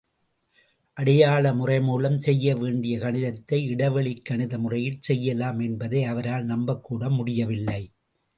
அடையாள முறை மூலம் செய்ய வேண்டிய கணிதத்தை இடைவெளிக்கணித முறையில் செய்யலாம் என்பதை அவரால் நம்பக்கூட முடியவில்லை.